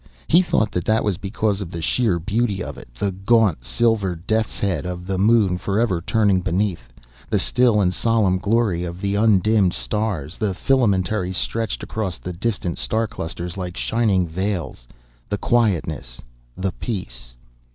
He thought that that was because of the sheer beauty of it, the gaunt, silver deaths head of the Moon forever turning beneath, the still and solemn glory of the undimmed stars, the filamentaries stretched across the distant star clusters like shining veils, the quietness, the peace.